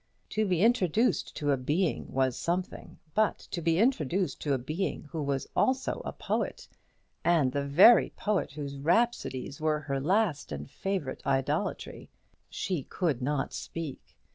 To be introduced to a Being was something, but to be introduced to a Being who was also a poet, and the very poet whose rhapsodies were her last and favourite idolatry! She could not speak.